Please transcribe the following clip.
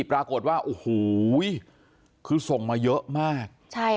ปรากฏว่าโอ้โหคือส่งมาเยอะมาก